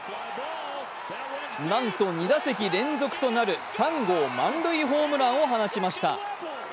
なんと２打席連続となる３号満塁ホームランを放ちました。